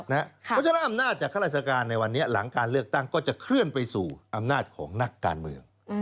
เพราะฉะนั้นอำนาจจากข้าราชการในวันนี้หลังการเลือกตั้งก็จะเคลื่อนไปสู่อำนาจของนักการเมือง